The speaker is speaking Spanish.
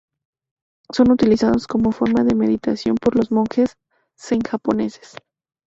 Son utilizados como forma de meditación por los monjes Zen japoneses.